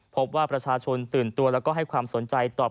พบว่าประชาชนตื่นตัวและให้ความสนใจ